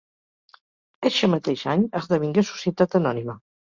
Eixe mateix any esdevingué societat anònima.